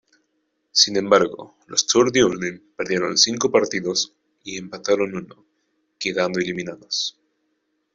Sin embargo, los txuri-urdin perdieron cinco partidos y empataron uno, quedando eliminados.